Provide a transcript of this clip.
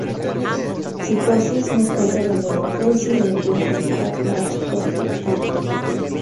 Psicosis más tarde abandonó a Crazy durante un handicap match contra Khali.